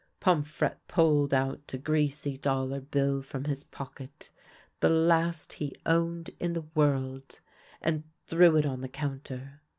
Pomfrette pulled out a greasy dollar bill from his pocket — the last he owned in the world — and threw it on the counter.